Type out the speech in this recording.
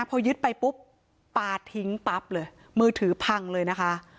พอยึดไปปุ๊บปลาทิ้งปั๊บเลยมือถือพังเลยนะคะ